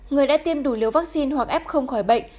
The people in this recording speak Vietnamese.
người đã tiêm đủ liều vaccine hoặc ép không khỏi bệnh